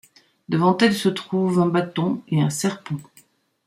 Devant elle se trouvent un bâton et un serpent.